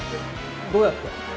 どうやって？